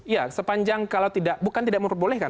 ya sepanjang kalau tidak bukan tidak memperbolehkan